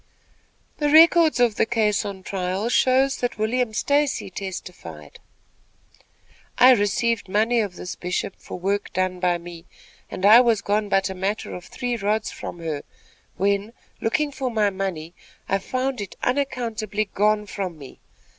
The records of the case on trial shows that William Stacy testified: "I received money of this Bishop for work done by me, and I was gone but a matter of three rods from her, when, looking for my money, I found it unaccountably gone from me.